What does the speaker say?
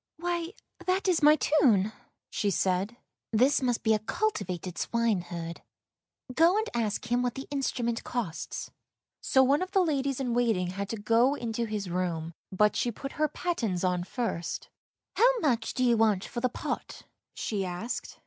" Why, that is my tune," she said; " this must be a cultivated swineherd. Go and ask him what the instrument costs." So one of the ladies in waiting had to go into his room, but she put pattens on first. " How much do you want for the pot," she asked.